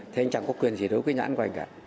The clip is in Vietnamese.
thì anh chẳng có quyền gì đối với nhãn của anh cả